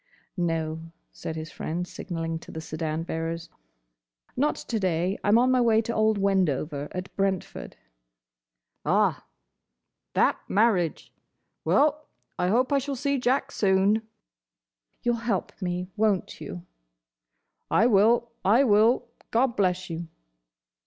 "No," said his friend, signalling to the sedan bearers. "Not to day. I'm on my way to old Wendover, at Brentford." "Ah! That marriage! Well, I hope I shall see Jack soon." "You'll help me, won't you?" "I will. I will. God bless you."